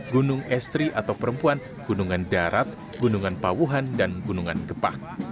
gunung estri atau perempuan gunungan darat gunungan pawuhan dan gunungan gepak